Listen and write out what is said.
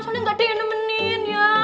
soalnya gak diinemenin ya